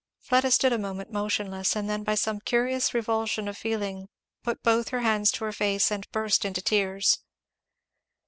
Fleda stood a moment motionless, and then by some curious revulsion of feeling put both her hands to her face and burst into tears.